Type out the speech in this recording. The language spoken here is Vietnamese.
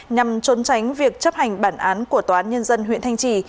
nhằm trốn tránh việc chấp hành bản án của tòa án nhân dân huyện thanh trì